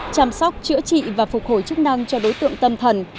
chăm sóc chữa trị và phục hồi chức năng cho đối tượng tâm thần